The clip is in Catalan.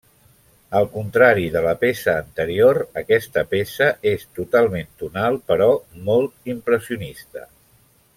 Al contrari de la peça anterior, aquesta peça és totalment tonal però molt impressionista.